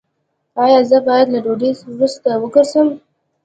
ایا زه باید له ډوډۍ وروسته وګرځم؟